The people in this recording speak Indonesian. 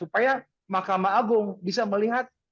supaya mahkamah agung bisa melihat